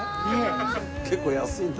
結構安いんだ。